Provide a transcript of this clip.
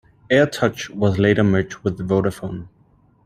AirTouch was later merged with Vodafone.